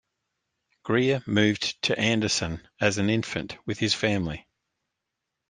Greer moved to Anderson as an infant with his family.